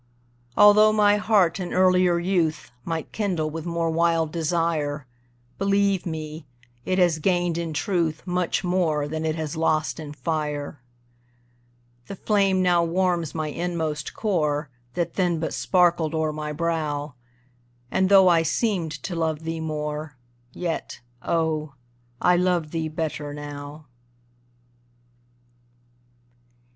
Altho' my heart in earlier youth Might kindle with more wild desire, Believe me, it has gained in truth Much more than it has lost in fire. The flame now warms my inmost core, That then but sparkled o'er my brow, And, though I seemed to love thee more, Yet, oh, I love thee better now.